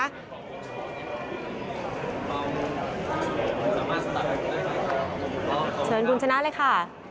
เชิญคุณชนะเลยค่ะ